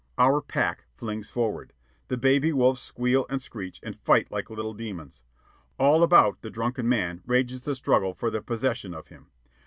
Our pack flings forward. The baby wolves squeal and screech and fight like little demons. All about the drunken man rages the struggle for the possession of him.